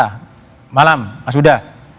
selamat malam mas huda